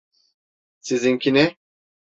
Sizinki ne?